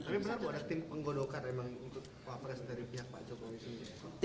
tapi benar bukan ada tim penggodokan memang untuk cawapres dari pihak pak jokowi sendiri